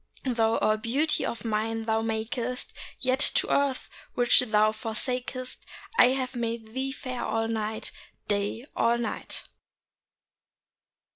Though all beauty of nine thou makest, Yet to earth which thou forsakest I have made thee fair all night, Day all night.